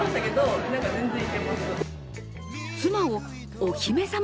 妻をお姫様